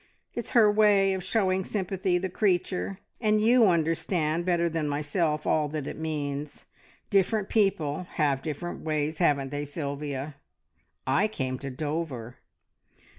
It's her way of showing sympathy, the creature! and you understand better than myself all that it means. Different people have different ways, haven't they, Sylvia? I came to Dover!"